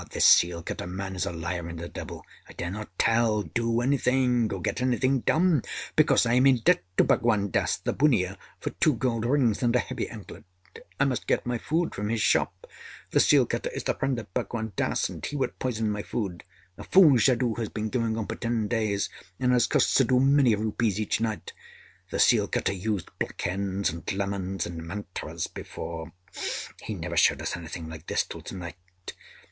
This seal cutter man is a liar and a devil. I dare not tell, do anything, or get anything done, because I am in debt to Bhagwan Dass the bunnia for two gold rings and a heavy anklet. I must get my food from his shop. The seal cutter is the friend of Bhagwan Dass, and he would poison my food. A fool's jadoo has been going on for ten days, and has cost Suddhoo many rupees each night. The seal cutter used black hens and lemons and mantras before. He never showed us anything like this till to night.